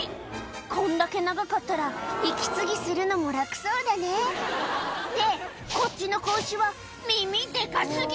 こんだけ長かったら息継ぎするのも楽そうだねってこっちの子牛は耳デカ過ぎ！